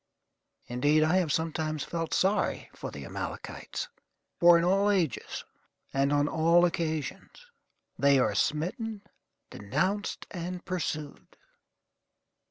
Indeed, I have sometimes felt sorry for the Amalekites, for in all ages, and on all occasions, they are smitten, denounced, and pursued.